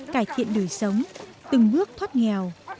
cải thiện đời sống từng bước thoát nghèo